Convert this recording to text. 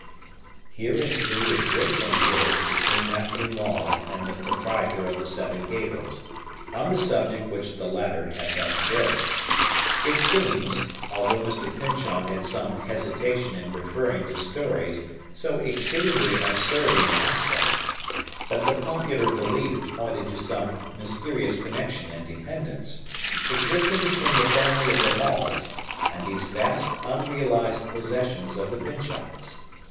Here ensued a great many words between Matthew Maule and the proprietor of the Seven Gables, on the subject which the latter had thus broached. It seems (although Mr. Pyncheon had some hesitation in referring to stories so exceedingly absurd in their aspect) that the popular belief pointed to some mysterious connection and dependence, existing between the family of the Maules and these vast unrealized possessions of the Pyncheons.